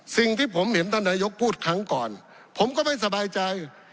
สิ่งที่ผมเห็นท่านนายกพูดครั้งก่อนผมก็ไม่สบายใจ